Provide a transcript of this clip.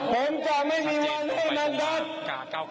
ผมจะไม่อีกวันให้มันรัก